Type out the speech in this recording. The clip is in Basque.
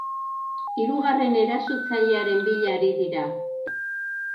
Hirugarren erasotzailearen bila ari dira.